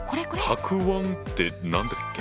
「たくあん」って何だっけ？